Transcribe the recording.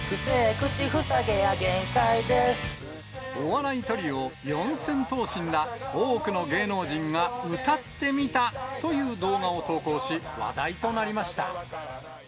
お笑いトリオ、四千頭身ら、多くの芸能人が歌ってみたという動画を投稿し、話題となりました。